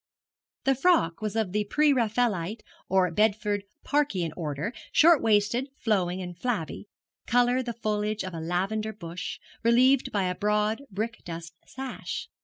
The frock was of the pre Raffaelite or Bedford Parkian order, short waisted, flowing, and flabby, colour the foliage of a lavender bush, relieved by a broad brick dust sash.